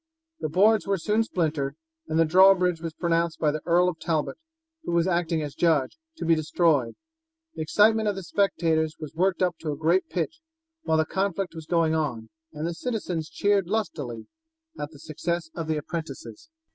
The boards were soon splintered, and the drawbridge was pronounced by the Earl of Talbot, who was acting as judge, to be destroyed. The excitement of the spectators was worked up to a great pitch while the conflict was going on, and the citizens cheered lustily at the success of the apprentices.